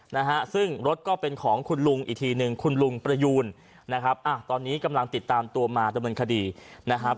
นะฮะซึ่งรถก็เป็นของคุณลุงอีกทีหนึ่งคุณลุงประยูนนะครับอ่ะตอนนี้กำลังติดตามตัวมาดำเนินคดีนะครับ